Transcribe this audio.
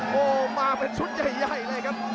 โอ้โหมาเป็นชุดใหญ่เลยครับ